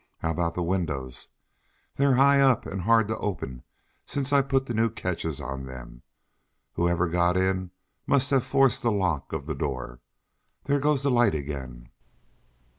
"How about the windows?" "They're high up, and hard to open since I put the new catches on them. Whoever got in must have forced the lock of the door. There goes the light again!"